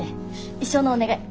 一生のお願い。